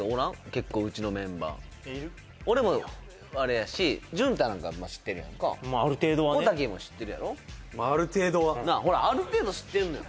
結構うちのメンバー俺もあれやしジュンタなんか知ってるやんかまあある程度はね小瀧も知ってるやろまあある程度はほらある程度知ってるのよ